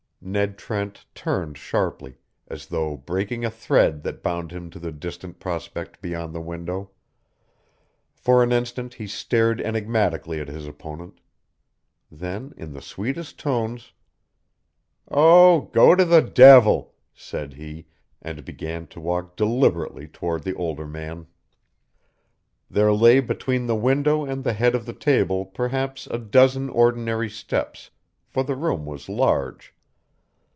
Ned Trent turned sharply, as though breaking a thread that bound him to the distant prospect beyond the window. For an instant he stared enigmatically at his opponent. Then in the sweetest tones, "Oh, go to the devil!" said he, and began to walk deliberately toward the older man. There lay between the window and the head of the table perhaps a dozen ordinary steps, for the room was large.